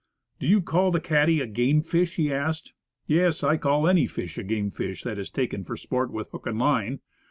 "Do you call the cattie a game fish?" he asked. Yes; I call any fish a game fish that is taken for sport with hook and line.